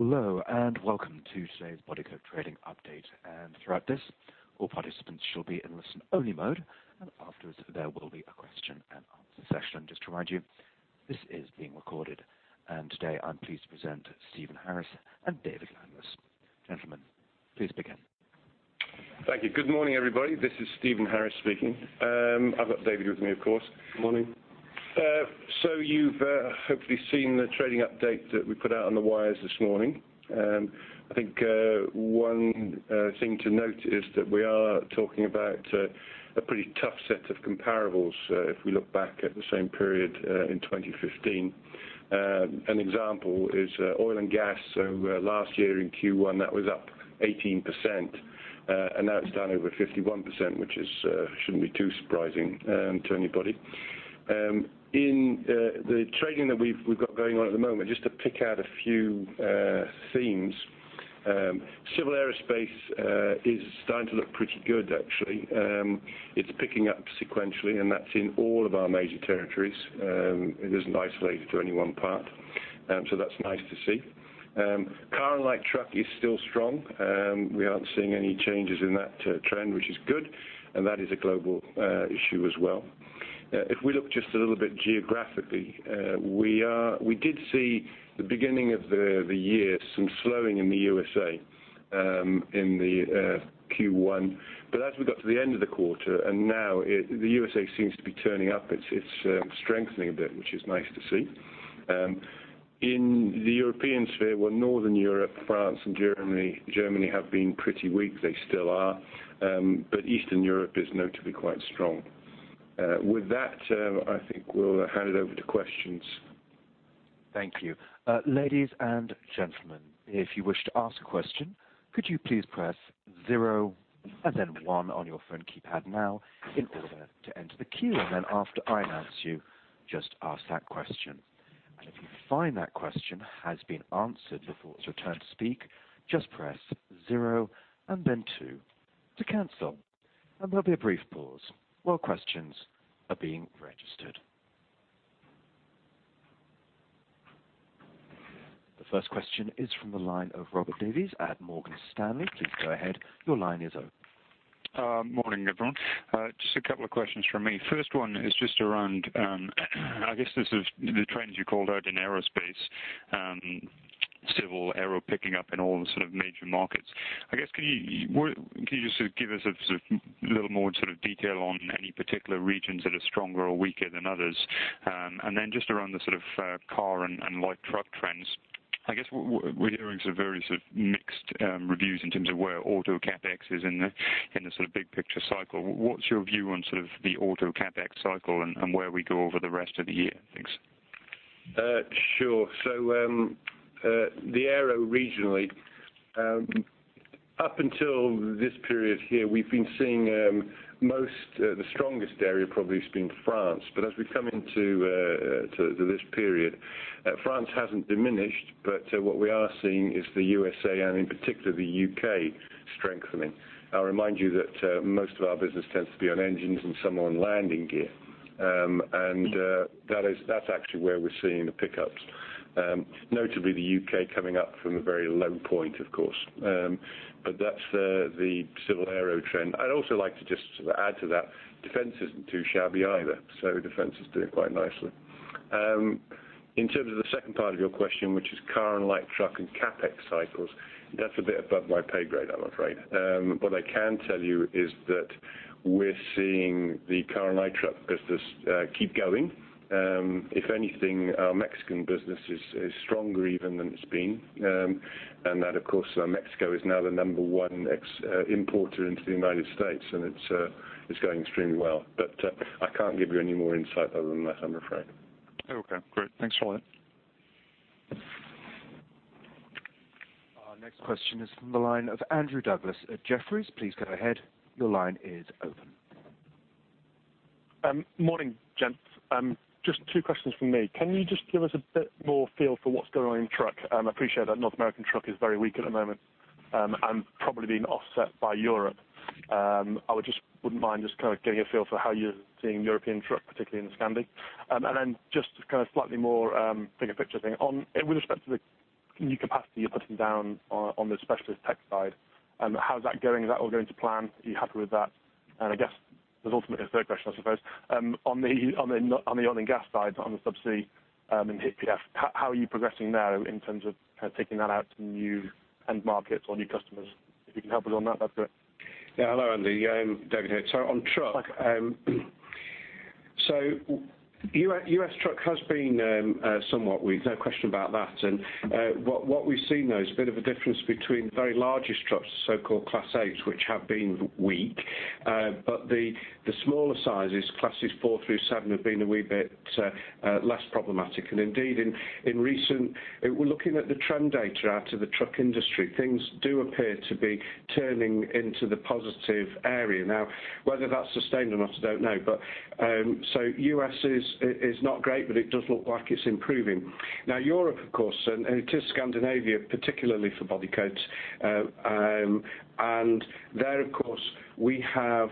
Hello and welcome to today's Bodycote Trading Update. Throughout this, all participants shall be in listen-only mode, and afterwards there will be a question-and-answer session. Just to remind you, this is being recorded, and today I'm pleased to present Stephen Harris and David Landless. Gentlemen, please begin. Thank you. Good morning, everybody. This is Stephen Harris speaking. I've got David with me, of course. Good morning. So you've hopefully seen the trading update that we put out on the wires this morning. I think one thing to note is that we are talking about a pretty tough set of comparables, if we look back at the same period in 2015. An example is oil and gas. So last year in Q1 that was up 18%, and now it's down over 51%, which shouldn't be too surprising to anybody. In the trading that we've got going on at the moment, just to pick out a few themes. Civil Aerospace is starting to look pretty good, actually. It's picking up sequentially, and that's in all of our major territories. It isn't isolated to any one part, so that's nice to see. Car and light truck is still strong. We aren't seeing any changes in that trend, which is good, and that is a global issue as well. If we look just a little bit geographically, we did see the beginning of the year some slowing in the USA in Q1, but as we got to the end of the quarter and now the USA seems to be turning up. It's strengthening a bit, which is nice to see. In the European sphere, well, Northern Europe, France, and Germany have been pretty weak. They still are, but Eastern Europe is notably quite strong. With that, I think we'll hand it over to questions. Thank you, ladies and gentlemen. If you wish to ask a question, could you please press 0 and then 1 on your phone keypad now in order to enter the queue, and then after I've answered you, just ask that question. If you find that question has been answered before it's returned to speak, just press 0 and then 2 to cancel, and there'll be a brief pause while questions are being registered. The first question is from the line of Robert Davies at Morgan Stanley. Please go ahead. Your line is open. Morning, everyone. Just a couple of questions from me. First one is just around, I guess, the trends you called out in aerospace, civil aero picking up in all the sort of major markets. I guess, can you just sort of give us a little more sort of detail on any particular regions that are stronger or weaker than others? And then, just around the sort of car and light truck trends. I guess, what we're hearing sort of various sort of mixed reviews in terms of where Auto CapEx is in the sort of big picture cycle. What's your view on sort of the Auto CapEx cycle and where we go over the rest of the year? Thanks. Sure. So, the aero regionally, up until this period here, we've been seeing the strongest area probably has been France, but as we come into this period, France hasn't diminished, but what we are seeing is the USA and in particular the U.K. strengthening. I'll remind you that most of our business tends to be on engines and some on landing gear, and that is actually where we're seeing the pickups, notably the U.K. coming up from a very low point, of course. But that's the civil aero trend. I'd also like to just sort of add to that, defense isn't too shabby either, so defense is doing quite nicely. In terms of the second part of your question, which is car and light truck and CapEx cycles, that's a bit above my pay grade, I'm afraid. What I can tell you is that we're seeing the car and light truck business keep going. If anything, our Mexican business is stronger even than it's been, and that, of course, Mexico is now the number one exporter into the United States, and it's going extremely well. But I can't give you any more insight other than that, I'm afraid. Okay. Great. Thanks for all that. Next question is from the line of Andrew Douglas at Jefferies. Please go ahead. Your line is open. Morning, gents. Just two questions from me. Can you just give us a bit more feel for what's going on in truck? I appreciate that North American truck is very weak at the moment, and probably being offset by Europe. I wouldn't mind just kind of getting a feel for how you're seeing European truck, particularly in Scandinavia. And then just kind of slightly more, bigger picture thing. On with respect to the new capacity you're putting down on the specialist tech side, how's that going? Is that all going to plan? Are you happy with that? And I guess there's ultimately a third question, I suppose. On the oil and gas side, on the subsea, in HIP PF, how are you progressing there in terms of kind of taking that out to new end markets or new customers? If you can help us on that, that'd be great. Yeah. Hello, Andy. David here. So on truck, so US truck has been somewhat weak. No question about that. And what we've seen though is a bit of a difference between the very largest trucks, the so-called Class 8s, which have been weak, but the smaller sizes, Classes 4 through 7, have been a wee bit less problematic. And indeed, in recent we're looking at the trend data out of the truck industry. Things do appear to be turning into the positive area. Now, whether that's sustained or not, I don't know, but so US is not great, but it does look like it's improving. Now, Europe, of course, and it is Scandinavia, particularly for Bodycote's, and there, of course, we have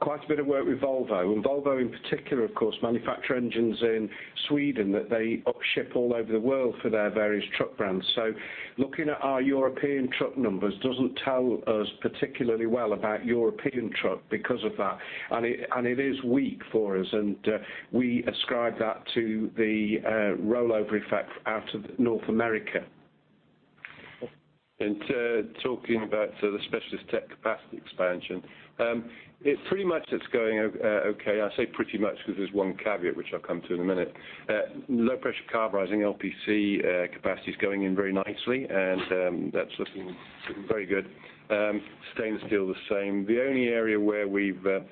quite a bit of work with Volvo. And Volvo in particular, of course, manufacture engines in Sweden that they ship all over the world for their various truck brands. So looking at our European truck numbers doesn't tell us particularly well about European truck because of that, and it is weak for us, and we ascribe that to the rollover effect out of North America. Talking about the specialist tech capacity expansion, it pretty much it's going okay. I say pretty much because there's one caveat, which I'll come to in a minute. Low-pressure carburizing, LPC, capacity's going in very nicely, and that's looking very good. Stainless steel the same. The only area where we've got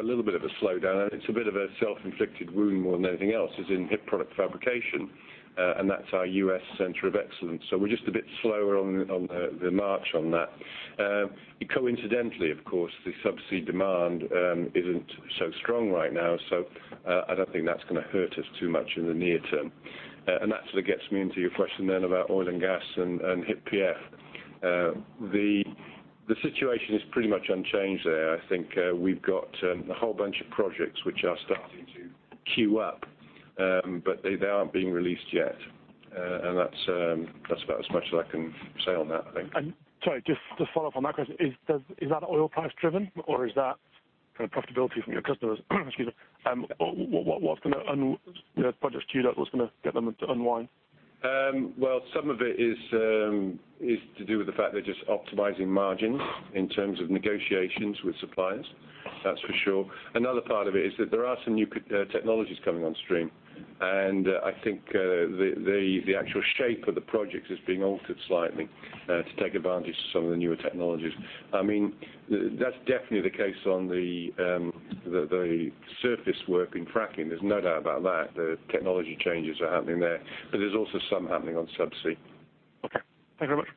a little bit of a slowdown, and it's a bit of a self-inflicted wound more than anything else, is in HIP Product Fabrication, and that's our U.S. center of excellence. So we're just a bit slower on the march on that. Coincidentally, of course, the subsea demand isn't so strong right now, so I don't think that's gonna hurt us too much in the near term. And that sort of gets me into your question then about oil and gas and HPF. The situation is pretty much unchanged there. I think we've got a whole bunch of projects which are starting to queue up, but they aren't being released yet. That's about as much as I can say on that, I think. And sorry, just, just follow up on that question. Is that oil price-driven, or is that kind of profitability from your customers? Excuse me. What's gonna run the projects queued up, what's gonna get them to unwind? Well, some of it is to do with the fact they're just optimizing margins in terms of negotiations with suppliers. That's for sure. Another part of it is that there are some new technologies coming on stream, and I think the actual shape of the projects is being altered slightly, to take advantage of some of the newer technologies. I mean, that's definitely the case on the surface work in fracking. There's no doubt about that. The technology changes are happening there, but there's also some happening on subsea. Okay. Thank you very much.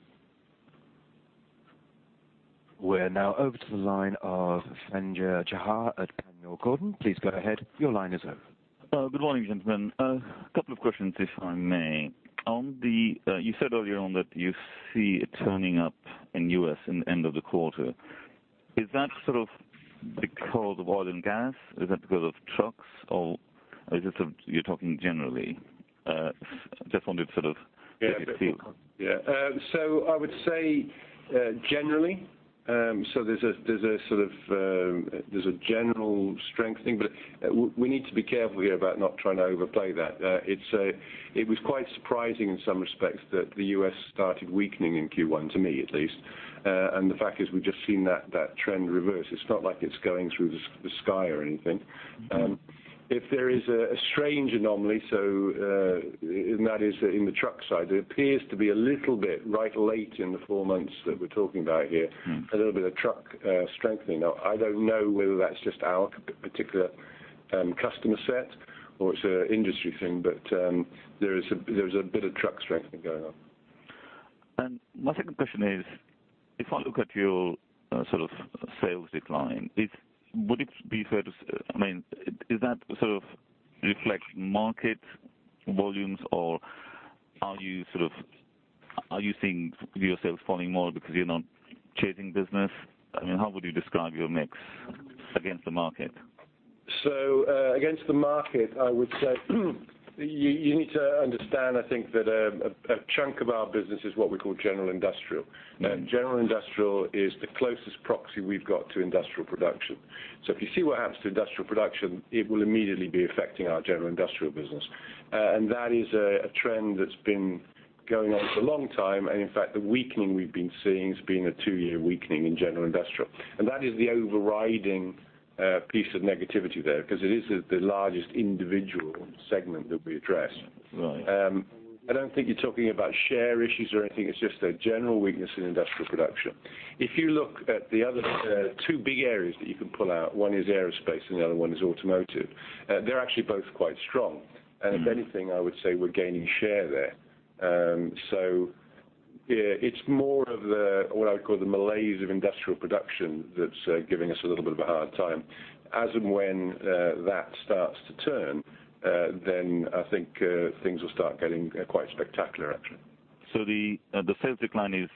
We're now over to the line of Sanjay Jha at Panmure Gordon. Please go ahead. Your line is open. Good morning, gentlemen. Couple of questions, if I may. On the, you said earlier on that you see it turning up in U.S. in the end of the quarter. Is that sort of because of oil and gas? Is that because of trucks, or is it sort of you're talking generally? Just wanted to sort of get your feel. Yeah. Yeah. So I would say, generally, so there's a sort of general strengthening, but what we need to be careful here about not trying to overplay that. It was quite surprising in some respects that the US started weakening in Q1, to me at least, and the fact is we've just seen that trend reverse. It's not like it's going through the sky or anything. If there is a strange anomaly, and that is, in the truck side, it appears to be a little bit right late in the four months that we're talking about here, a little bit of truck strengthening. Now, I don't know whether that's just our particular customer set or it's an industry thing, but there is a bit of truck strengthening going on. My second question is, if I look at your sort of sales decline, would it be fair to say, I mean, is that sort of reflect market volumes, or are you sort of seeing your sales falling more because you're not chasing business? I mean, how would you describe your mix against the market? So, against the market, I would say you need to understand, I think, that a chunk of our business is what we call General Industrial. General Industrial is the closest proxy we've got to industrial production. So if you see what happens to industrial production, it will immediately be affecting our General Industrial business. And that is a trend that's been going on for a long time, and in fact, the weakening we've been seeing has been a two-year weakening in General Industrial. And that is the overriding piece of negativity there because it is the largest individual segment that we address. Right. I don't think you're talking about share issues or anything. It's just a general weakness in industrial production. If you look at the other two big areas that you can pull out, one is aerospace and the other one is automotive. They're actually both quite strong. If anything, I would say we're gaining share there. So, it's more of what I would call the malaise of industrial production that's giving us a little bit of a hard time. As and when that starts to turn, then I think things will start getting quite spectacular, actually. So the sales decline is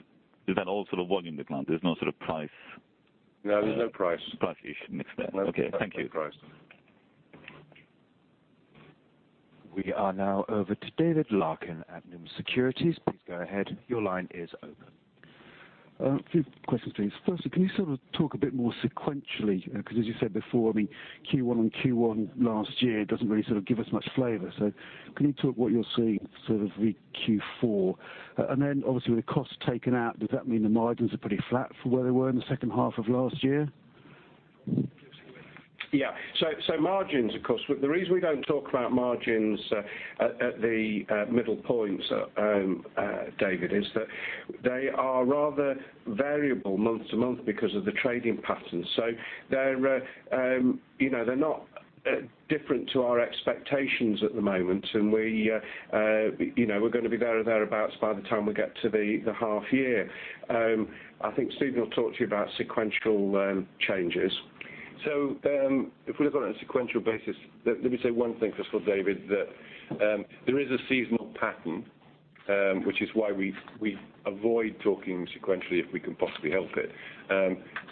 that all sort of volume decline? There's no sort of price? No, there's no price. Price issue mixed there. Okay. Thank you. No price. We are now over to David Larkam at Numis Securities. Please go ahead. Your line is open. A few questions, please. Firstly, can you sort of talk a bit more sequentially, because as you said before, I mean, Q1 on Q1 last year doesn't really sort of give us much flavor. So can you talk what you're seeing sort of v Q4? And then obviously with the costs taken out, does that mean the margins are pretty flat for where they were in the second half of last year? Yeah. So margins, of course, what the reason we don't talk about margins at the middle points, David, is that they are rather variable month to month because of the trading patterns. So they're, you know, they're not different to our expectations at the moment, and we, you know, we're gonna be there or thereabouts by the time we get to the half-year. I think Stephen will talk to you about sequential changes. So, if we look on it on a sequential basis, let me say one thing first of all, David, that there is a seasonal pattern, which is why we avoid talking sequentially if we can possibly help it.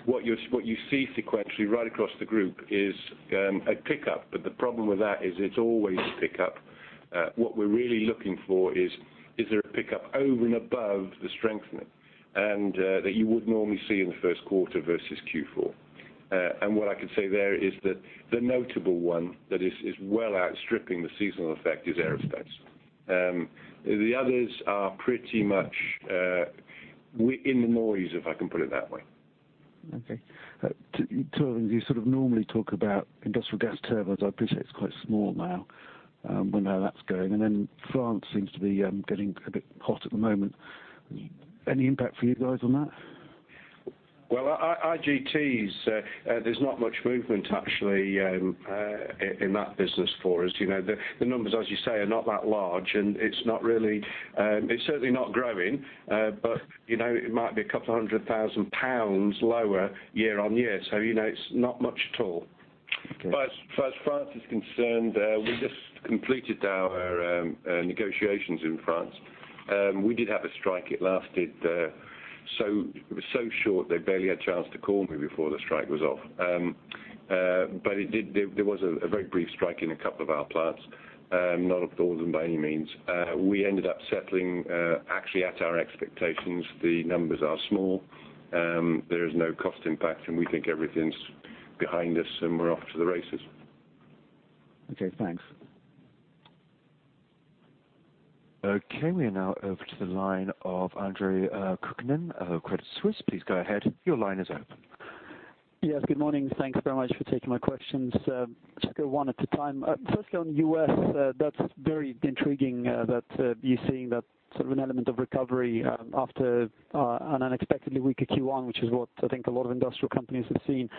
What you see sequentially right across the group is a pickup, but the problem with that is it's always a pickup. What we're really looking for is, is there a pickup over and above the strengthening, and that you would normally see in the first quarter versus Q4. And what I could say there is that the notable one that is, is well outstripping the seasonal effect is aerospace. The others are pretty much within the noise, if I can put it that way. Okay. Two other things. You sort of normally talk about industrial gas turbines. I appreciate it's quite small now, and how that's going. And then France seems to be getting a bit hot at the moment. Any impact for you guys on that? Well, IGTs, there's not much movement actually, in that business for us. You know, the numbers, as you say, are not that large, and it's not really, it's certainly not growing, but, you know, it might be 200,000 pounds lower year-on-year. So, you know, it's not much at all. Okay. As far as France is concerned, we just completed our negotiations in France. We did have a strike. It lasted so it was so short they barely had a chance to call me before the strike was off. But it did. There was a very brief strike in a couple of our plants, not and all of them by any means. We ended up settling, actually, at our expectations. The numbers are small. There is no cost impact, and we think everything's behind us, and we're off to the races. Okay. Thanks. Okay. We are now over to the line of Andre Kukhnin, Credit Suisse. Please go ahead. Your line is open. Yes. Good morning. Thanks very much for taking my questions. Just go one at a time. Firstly, on US, that's very intriguing that you're seeing that sort of an element of recovery after an unexpectedly weaker Q1, which is what I think a lot of industrial companies have seen.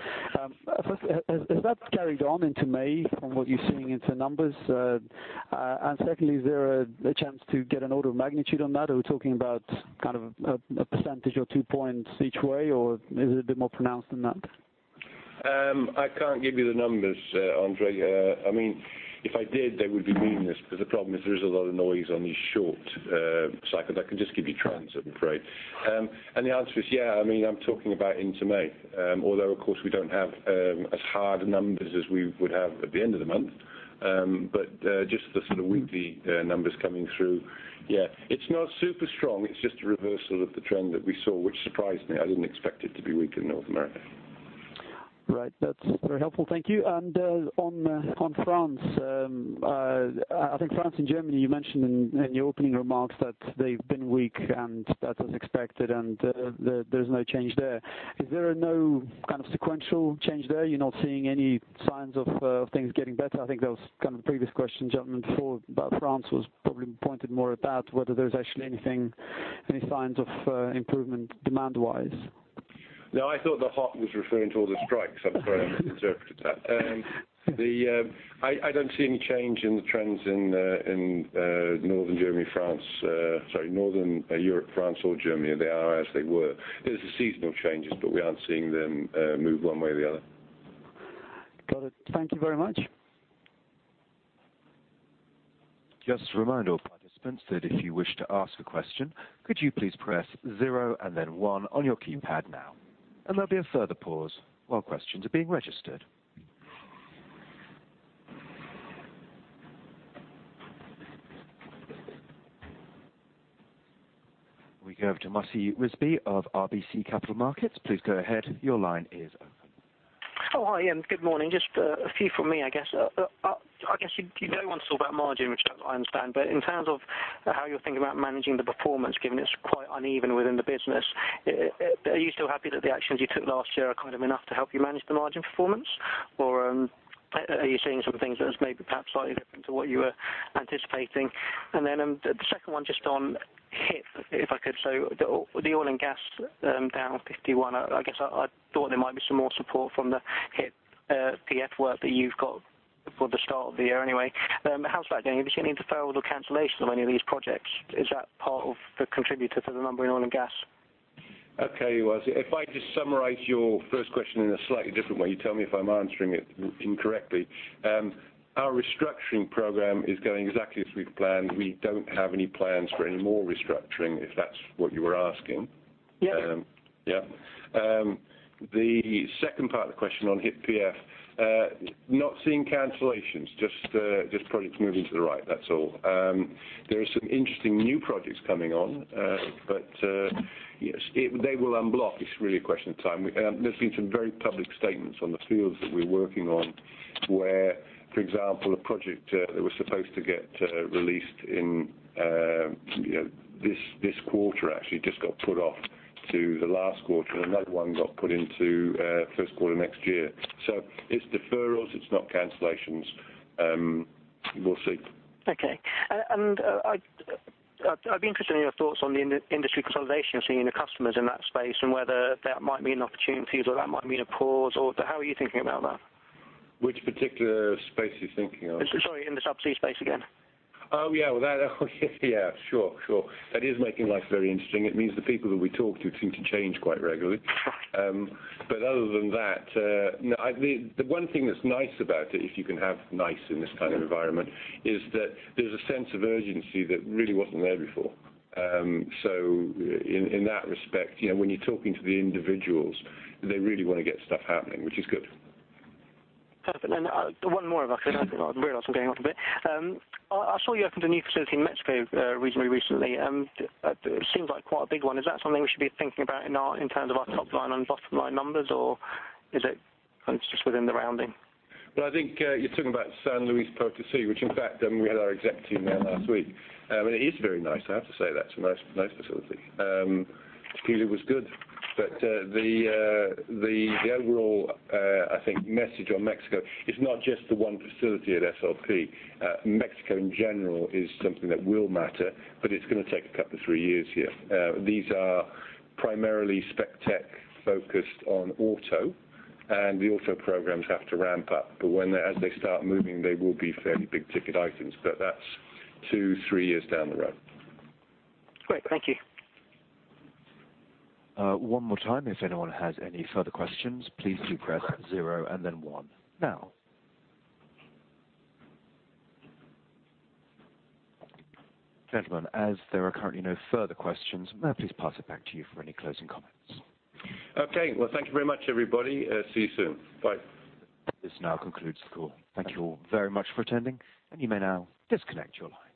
Firstly, has that carried on into May from what you're seeing in some numbers? And secondly, is there a chance to get an order of magnitude on that? Are we talking about kind of a percentage or two points each way, or is it a bit more pronounced than that? I can't give you the numbers, Andrew. I mean, if I did, they would be meaningless because the problem is there is a lot of noise on these short cycles. I can just give you trends, I'm afraid. And the answer is yeah. I mean, I'm talking about into May, although, of course, we don't have as hard numbers as we would have at the end of the month, but just the sort of weekly numbers coming through. Yeah. It's not super strong. It's just a reversal of the trend that we saw, which surprised me. I didn't expect it to be weak in North America. Right. That's very helpful. Thank you. And on France, I think France and Germany, you mentioned in your opening remarks that they've been weak and that's as expected, and there's no change there. Is there no kind of sequential change there? You're not seeing any signs of things getting better? I think that was kind of the previous question, gentlemen, before about France was probably pointed more at that, whether there's actually anything, any signs of improvement demand-wise. No, I thought the hot was referring to all the strikes. I'm sorry I misinterpreted that. I don't see any change in the trends in Northern Europe, France, or Germany. They are as they were. There's the seasonal changes, but we aren't seeing them move one way or the other. Got it. Thank you very much. Just a reminder of participants that if you wish to ask a question, could you please press 0 and then 1 on your keypad now? And there'll be a further pause while questions are being registered. We go over to Wasi Rizvi of RBC Capital Markets. Please go ahead. Your line is open. Oh, hi, Ian. Good morning. Just a few from me, I guess. I guess you know what I'm talking about, margin, which I don't understand, but in terms of how you're thinking about managing the performance, given it's quite uneven within the business, it, are you still happy that the actions you took last year are kind of enough to help you manage the margin performance, or, are you seeing some things that's maybe perhaps slightly different to what you were anticipating? And then, the second one just on HIP, if I could. So the oil and gas, down 51%. I guess I thought there might be some more support from the HIP PF work that you've got for the start of the year anyway. How's that going? Have you seen any deferrals or cancellations of any of these projects? Is that part of the contribution to the number in oil and gas? Okay. Well, if I just summarize your first question in a slightly different way, you tell me if I'm answering it incorrectly. Our restructuring program is going exactly as we've planned. We don't have any plans for any more restructuring, if that's what you were asking. Yeah. Yeah. The second part of the question on HIP PF, not seeing cancellations, just, just projects moving to the right. That's all. There are some interesting new projects coming on, but, yes, it they will unblock. It's really a question of time. We, there's been some very public statements on the fields that we're working on where, for example, a project, that was supposed to get, released in, you know, this, this quarter actually just got put off to the last quarter. Another one got put into, first quarter next year. So it's deferrals. It's not cancellations. We'll see. Okay. I'd be interested in your thoughts on the industry consolidation you're seeing in the customers in that space and whether that might be an opportunity or that might be a pause, or how are you thinking about that? Which particular space are you thinking of? I'm sorry. In the Subsea space again? Oh, yeah. Well, that, yeah, sure, sure. That is making life very interesting. It means the people that we talk to seem to change quite regularly. Right. But other than that, no, the one thing that's nice about it, if you can have nice in this kind of environment, is that there's a sense of urgency that really wasn't there before. So, in that respect, you know, when you're talking to the individuals, they really wanna get stuff happening, which is good. Perfect. And, one more, if I could. I've realized I'm going off a bit. I saw you opened a new facility in Mexico, reasonably recently, and, it seems like quite a big one. Is that something we should be thinking about in terms of our top-line and bottom-line numbers, or is it kind of just within the rounding? Well, I think, you're talking about San Luis Potosí, which, in fact, we had our exec team there last week. It is very nice. I have to say that. It's a nice, nice facility. Tupelo was good. But the overall, I think, message on Mexico, it's not just the one facility at SLP. Mexico in general is something that will matter, but it's gonna take a couple of three years here. These are primarily spec tech focused on auto, and the auto programs have to ramp up. But when they start moving, they will be fairly big-ticket items, but that's two, three years down the road. Great. Thank you. One more time. If anyone has any further questions, please do press 0 and then 1. Now, gentlemen, as there are currently no further questions, may I please pass it back to you for any closing comments? Okay. Well, thank you very much, everybody. See you soon. Bye. This now concludes the call. Thank you all very much for attending, and you may now disconnect your lines.